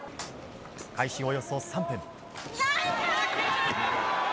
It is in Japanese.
開始およそ３分。